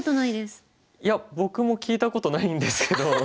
いや僕も聞いたことないんですけど。